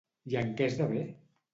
I en què esdevé?